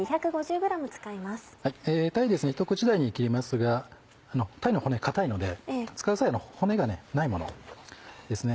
鯛ですねひと口大に切りますが鯛の骨硬いので使う際骨がないものですね